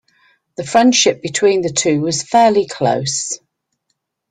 The friendship between the two was fairly close.